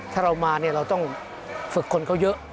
ถ้าเรามาเนี่ยเราต้องฝึกคนเขาเยอะ